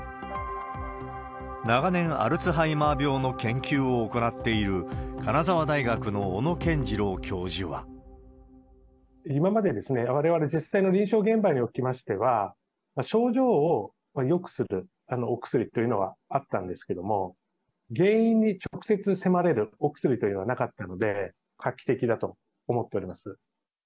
長年、アルツハイマー病の研究を行っている、今まで、われわれ、実際の臨床現場におきましては、症状をよくするお薬というのはあったんですけれども、原因に直接迫れるお薬というのはなかったので、画期的だと思っております。